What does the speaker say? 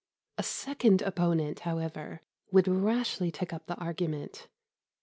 A second opponent, however, would rashly take up the argument.